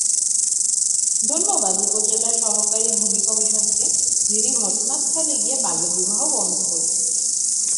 ধন্যবাদ উপজেলা সহকারী ভূমি কমিশনারকে, যিনি ঘটনাস্থলে গিয়ে বাল্যবিবাহ বন্ধ করেছিলেন।